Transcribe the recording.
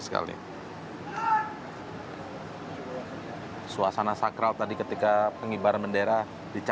teruskan ke kris